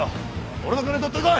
俺の金取ってこい！